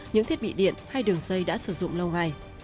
những thiết bị điện hay đường dây đã sử dụng lâu ngày